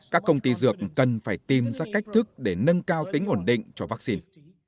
các công ty dược cần phải tìm ra cách thức để nâng cao tính ổn định cho vắc xin